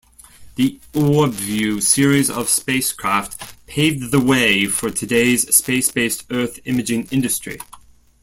The OrbView series of spacecraft paved the way for today's space-based Earth imaging industry.